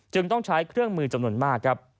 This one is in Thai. จึงต้องใช้เครื่องมือจำนวนมาก